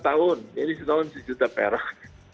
lima tahun jadi setahun satu juta perak